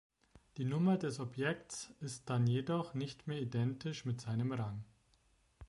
Die Nummer des Objekts ist dann jedoch nicht mehr identisch mit seinem Rang.